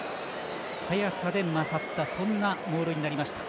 速さで勝ったそんなモールになりました。